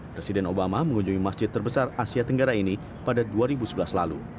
presiden obama mengunjungi masjid terbesar asia tenggara ini pada dua ribu sebelas lalu